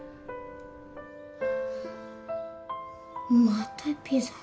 またピザ。